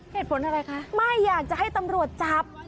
เหตุผลอะไรคะไม่อยากจะให้ตำรวจจับ